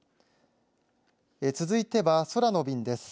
続いては空の便です。